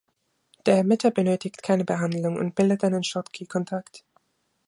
Der Emitter benötigt keine Behandlung und bildet einen Schottky-Kontakt.